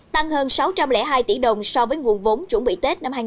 tăng hơn sáu trăm linh hai tỷ đồng so với nguồn vốn chuẩn bị tết năm hai nghìn hai mươi